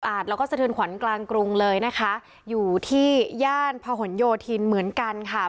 แล้วก็สะเทือนขวัญกลางกรุงเลยนะคะอยู่ที่ย่านพหนโยธินเหมือนกันค่ะ